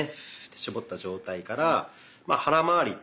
絞った状態から腹まわりと。